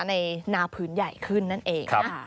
ในนาพื้นใหญ่ขึ้นนั่นเอง